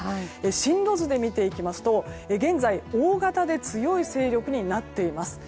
進路図で見ていきますと現在、大型で強い勢力になっています。